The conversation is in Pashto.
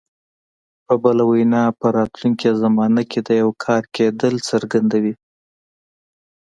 په بله وینا په راتلونکي زمانه کې د یو کار کېدل څرګندوي.